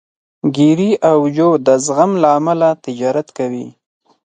ګېري او جو د زغم له امله تجارت کوي.